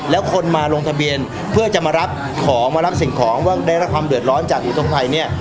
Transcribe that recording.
แล้วคนมาลงทะเบียนเพื่อจะมารับของมารับสิ่งของว่าได้รับความเดือดร้อนจากอุทธกภัยเนี่ย